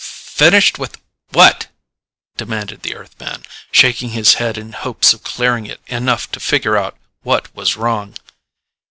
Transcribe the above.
"Finished with What?" demanded the Earthman, shaking his head in hopes of clearing it enough to figure out what was wrong.